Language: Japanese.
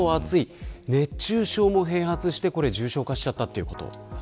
熱中症も併発して重症化しちゃったということ。